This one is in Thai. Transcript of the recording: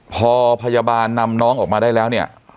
พอพยาบาลนำน้องออกมาได้แล้วเนี่ย